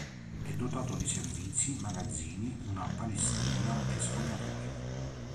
È dotato di servizi, magazzini, una palestrina e spogliatoi.